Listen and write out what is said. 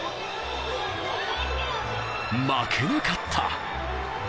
負けなかった。